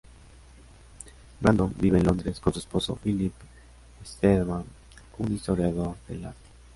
Brandon vive en Londres con su esposo Philip Steadman, un historiador del arte.